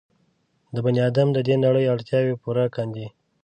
د بني ادم د دې نړۍ اړتیاوې پوره کاندي.